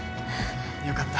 よかった。